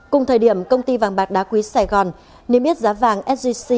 cùng thời điểm công ty vàng bạc đá quý sài gòn niêm yết giá vàng sgc